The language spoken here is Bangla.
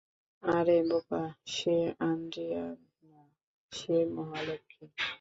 আরে বোকা, সে আন্দ্রেয়া না, সে মহালক্ষী।